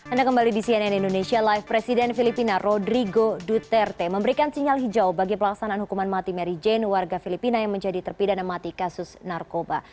anda kembali di cnn indonesia live presiden filipina rodrigo duterte memberikan sinyal hijau bagi pelaksanaan hukuman mati mary jane warga filipina yang menjadi terpidana mati kasus narkoba